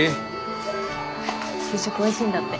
給食おいしいんだって。